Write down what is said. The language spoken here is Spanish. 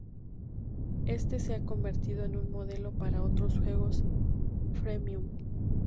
Este se ha convertido en un modelo para otros juegos "freemium".